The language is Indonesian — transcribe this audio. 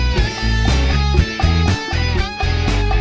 masih gak mudah kum